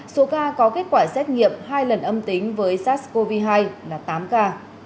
số ca có kết quả xét nghiệm hai lần âm tính với sars cov hai là tám ca